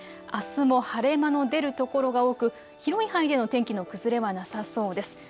あすも晴れ間の出る所が多く広い範囲での天気の崩れはなさそうです。